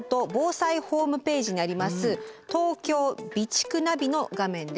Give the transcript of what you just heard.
「東京備蓄ナビ」の画面です。